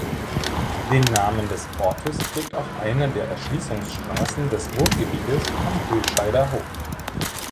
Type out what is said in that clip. Den Namen des Ortes trägt auch eine der Erschließungsstraßen des Wohngebietes am Höhscheider Hof.